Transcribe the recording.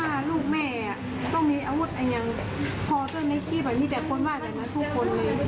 ตรงหัวลูกแม่เจ็บไปหมดเลยจะบอกท่านออกจากตรงนี้ทันนี้